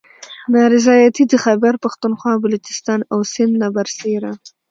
نا رضایتي د خیبر پښتونخواه، بلوچستان او سند نه بر سیره